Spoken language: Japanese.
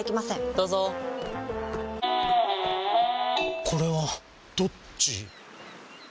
どうぞこれはどっち？